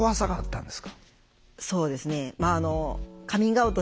そうですね。